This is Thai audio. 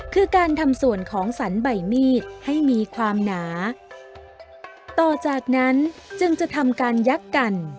คือการทำส่วนของสรรใบมีดให้มีความหนาต่อจากนั้นจึงจะทำการยักษ์กัน